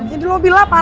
ya di lobby lah panas